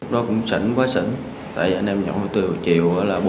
đó cũng sỉnh quá sỉnh tại anh em nhậu từ chiều là bốn